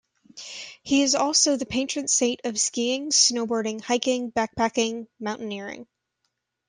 He is also the patron saint of skiing, snowboarding, hiking, backpacking, mountaineering.